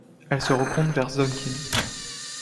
Elle se rencontre vers Sơn Kim.